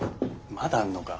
まだあんのか。